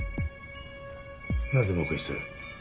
なぜ黙秘する？